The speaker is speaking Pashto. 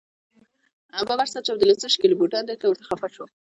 ببر سر، چاودې لاسونه ، شکېدلي بوټان ډېر ورته خفه شو.